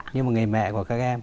như một người mẹ của các em